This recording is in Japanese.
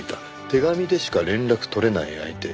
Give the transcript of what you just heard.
手紙でしか連絡取れない相手。